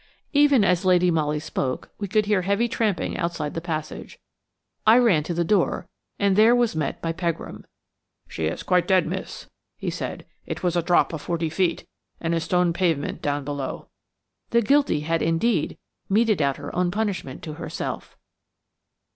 Even as Lady Molly spoke we could hear heavy tramping outside the passage. I ran to the door, and there was met by Pegram. "She is quite dead, miss," he said. "It was a drop of forty feet, and a stone pavement down below." The guilty had indeed meted out her own punishment to herself!